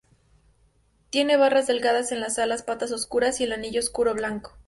Tiene barras delgadas en las alas, patas oscuras y el anillo ocular blanco.